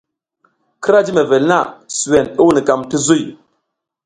Kira jiy mevel na, suwen i wunukam ti zuy.